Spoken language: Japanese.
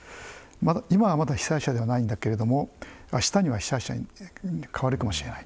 今はまだ被災者ではないんだけれどもあしたには被災者に変わるかもしれない。